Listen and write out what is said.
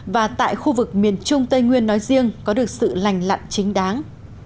và tại khu vực miền trung tây nguyên nói riêng có được sự lành lặn chính đáng